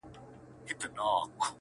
په صفت مړېده نه وه د ټوكرانو!!